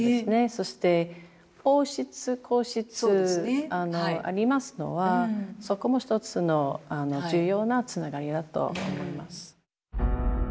そして王室皇室ありますのはそこも一つの重要なつながりだと思います。